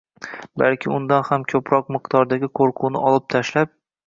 balki undan ham koʻproq miqdordagi qoʻrquvni olib tashlab